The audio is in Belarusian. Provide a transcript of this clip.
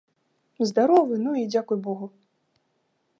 Здаровы, ну, і дзякуй богу!